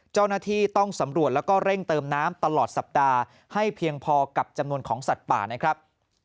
เจ้าหน้าที่ต้องสำรวจแล้วก็เร่งเติมน้ำตลอดสัปดาห์ให้เพียงพอกับจำนวนของสัตว์ป่านะครับ